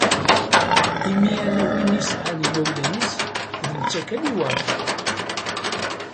Imi ala win i sεan yimawlan-is, d netta kan i iweṛten.